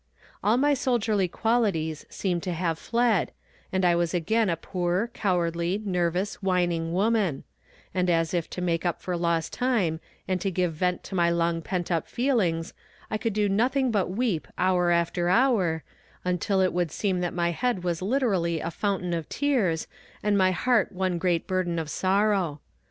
All my soldierly qualities seemed to have fled, and I was again a poor, cowardly, nervous, whining woman; and as if to make up for lost time, and to give vent to my long pent up feelings, I could do nothing but weep hour after hour, until it would seem that my head was literally a fountain of tears and my heart one great burden of sorrow.